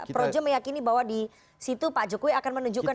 projo meyakini bahwa disitu pak jokowi akan menunjukkan